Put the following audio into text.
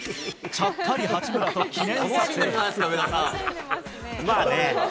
ちゃっかり八村と記念撮影。